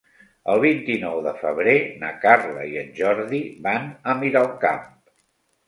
El vint-i-nou de febrer na Carla i en Jordi van a Miralcamp.